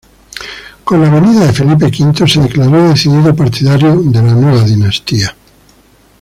Con la venida de Felipe V se declaró decidido partidario de la nueva dinastía.